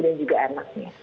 dan juga anaknya